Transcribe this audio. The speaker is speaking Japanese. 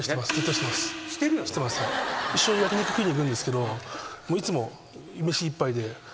一緒に焼き肉食いにいくんですけどいつも。